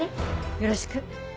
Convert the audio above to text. よろしく。